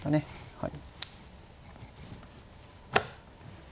はい。